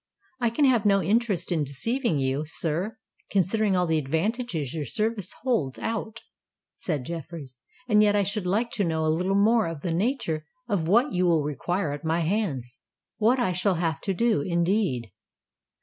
"I can have no interest in deceiving you, sir, considering all the advantages your service holds out," said Jeffreys: "and yet I should like to know a little more of the nature of what you will require at my hands—what I shall have to do, indeed."